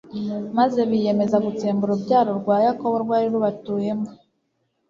maze biyemeza gutsemba urubyaro rwa yakobo rwari rubatuyemo